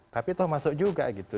tapi toh masuk juga gitu